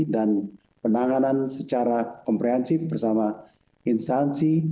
dan penanganan secara komprehensif bersama instansi